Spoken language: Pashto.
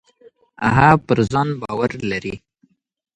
هغه پر ځان باور لري.